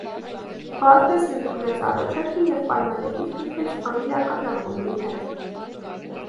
Բարտեզն ընդունեց առաջարկը և պայմանագիր կնքեց անգլիական ակումբի հետ։